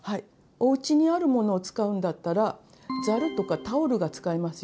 おうちにあるものを使うんだったらざるとかタオルが使えますよ。